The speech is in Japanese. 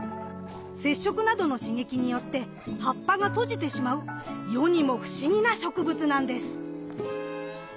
接触などの刺激によって葉っぱが閉じてしまう世にも不思議な植物なんです。